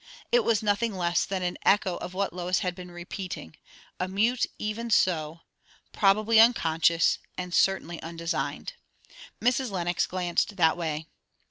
It was nothing less than an echo of what Lois had been repeating; a mute "Even so!" probably unconscious, and certainly undesigned. Mrs. Lenox glanced that way.